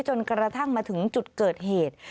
จนกระทั่งมาถึงจุดเกิดเหตุ